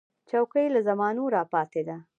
چوکۍ له زمانو راپاتې ده.